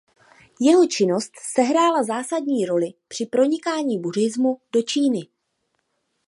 Jeho činnost sehrála zásadní roli při pronikání buddhismu do Číny.